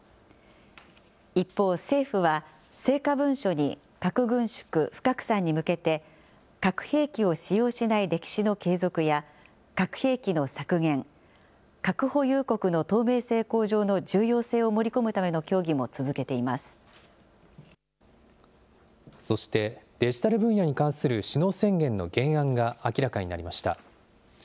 一方、政府は成果文書に核軍縮・不拡散に向けて、核兵器を使用しない歴史の継続や、核兵器の削減、核保有国の透明性向上の重要性を盛り込むための協議も続けていまそして、デジタル分野に関する首脳宣言の原案が明らかになりました。